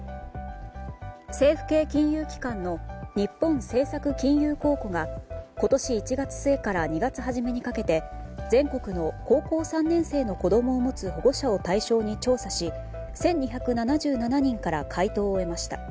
政府系金融機関の日本政策金融公庫が今年１月末から２月初めにかけて全国の高校３年生の子供を持つ保護者を対象に調査し１２７７人から回答を得ました。